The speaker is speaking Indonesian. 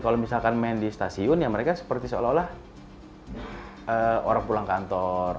kalau misalkan main di stasiun ya mereka seperti seolah olah orang pulang kantor